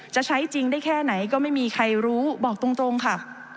จะใช้จริงได้แค่ไหนก็ไม่มีใครรู้บอกตรงค่ะ